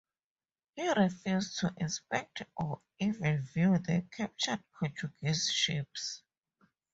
He refused to inspect or even view the captured Portuguese ships.